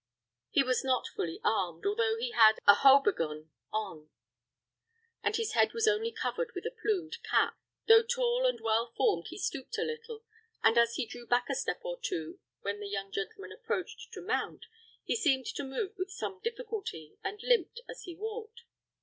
He was not fully armed, although he had a haubergeon on; and his head was only covered with a plumed cap. Though tall and well formed, he stooped a little; and as he drew back a step or two when the young gentleman approached to mount, he seemed to move with some difficulty, and limped as he walked.